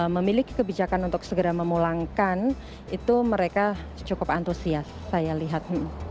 memiliki kebijakan untuk segera memulangkan itu mereka cukup antusias saya lihat